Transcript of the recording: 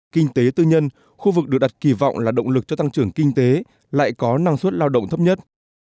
kinh tế tư nhân khu vực được đặt kỳ vọng là động lực cho tăng trưởng kinh tế lại có năng suất lao động thấp nhất